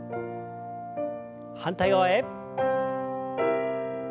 反対側へ。